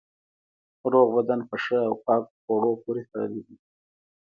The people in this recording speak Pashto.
روغ بدن په ښه او پاکو خوړو پورې تړلی دی.